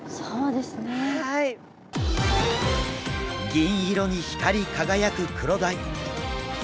銀色に光り輝くクロダイ。